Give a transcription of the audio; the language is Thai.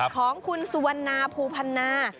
ของคุณสุวรรณภูพรรณา